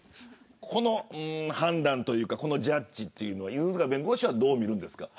この判断というかこのジャッジというのは犬塚弁護士はどう見るんですか。